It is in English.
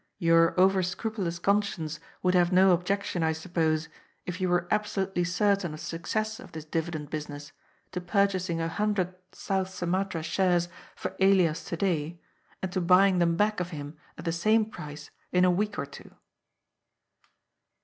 Your over scrupulous conscience would have no objection, I suppose, if you were absolutely certain of the success of this dividend business, to purchasing a hundred South Sumatra shares for Elias to day, and to buy ing them back of him at the same price in a week or two."